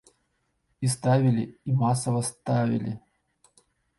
І ставілі, і масава ставілі.